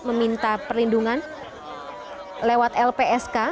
meminta perlindungan lewat lpsk